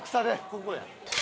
ここや。